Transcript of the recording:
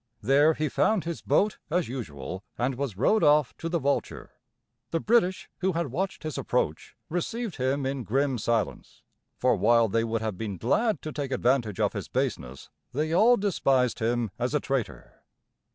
There he found his boat, as usual, and was rowed off to the Vulture. The British, who had watched his approach, received him in grim silence; for while they would have been glad to take advantage of his baseness, they all despised him as a traitor.